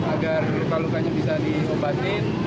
agar lukanya bisa diobatin